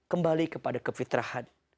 kembali kepada kefitrahan